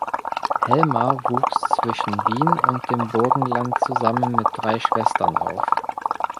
Helmer wuchs zwischen Wien und dem Burgenland zusammen mit drei Schwestern auf.